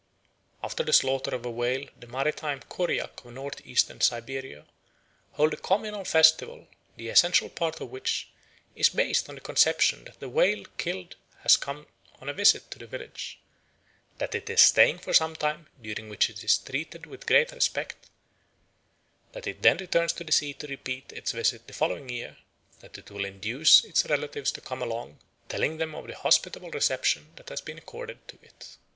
After the slaughter of a whale the maritime Koryak of North eastern Siberia hold a communal festival, the essential part of which "is based on the conception that the whale killed has come on a visit to the village; that it is staying for some time, during which it is treated with great respect; that it then returns to the sea to repeat its visit the following year; that it will induce its relatives to come along, telling them of the hospitable reception that has been accorded to it.